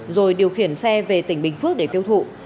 rồi điều khiển xe về tỉnh bình phước để tiêu thụ